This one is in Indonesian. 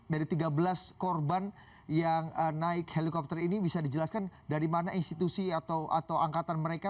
dari tiga belas korban yang naik helikopter ini bisa dijelaskan dari mana institusi atau angkatan mereka